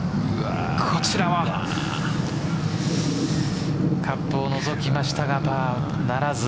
こちらはカップをのぞきましたがパーならず。